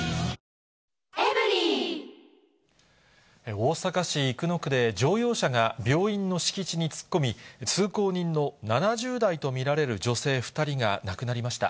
大阪市生野区で、乗用車が病院の敷地に突っ込み、通行人の７０代と見られる女性２人が亡くなりました。